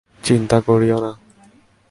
চিন্তা করিও না।